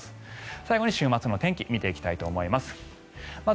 最後に週末の天気を見ていきたいと思います。